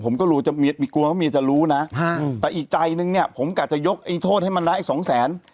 ผมก็รู้จะมีมีกลัวก็มีจะรู้น่ะฮะอืมแต่อีกใจหนึ่งเนี้ย